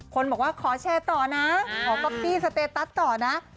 คนบอกว่าขอแชร์ต่อนะขอก๊อปปี้สเตตัสต่อนะ